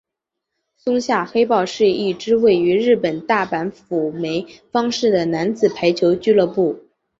松下黑豹是一支位于日本大阪府枚方市的男子排球俱乐部。